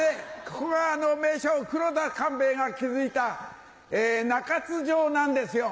ここがあの名将黒田官兵衛が築いた中津城なんですよ。